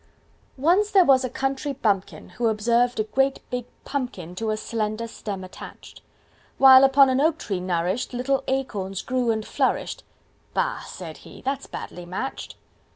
Once there was a country bumpkin Who observed a great big pumpkin To a slender stem attached; While upon an oak tree nourished, Little acorns grew and flourished. "Bah!" said he. "That's badly matched."